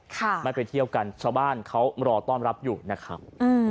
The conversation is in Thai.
ไม่ไปเที่ยวกันชาวบ้านเขารอต้อนรับอยู่นะครับ